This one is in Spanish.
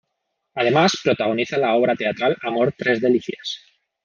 Además protagoniza la obra teatral, "Amor tres delicias".